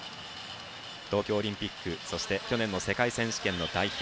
東京オリンピックそして去年の世界選手権の代表。